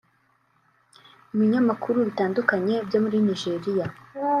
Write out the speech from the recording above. Ibinyamakuru bitandukanye byo muri Nigeria